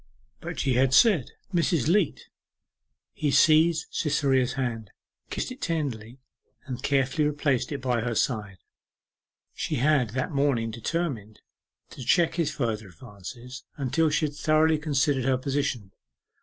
But she had said, 'Mrs. Leat!' He seized Cytherea's hand, kissed it tenderly, and carefully replaced it by her side. She had that morning determined to check his further advances, until she had thoroughly considered her position.